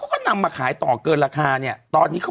เป็นการกระตุ้นการไหลเวียนของเลือด